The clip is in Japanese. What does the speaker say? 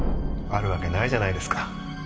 あるわけないじゃないですか。